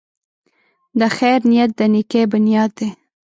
د خیر نیت د نېکۍ بنیاد دی.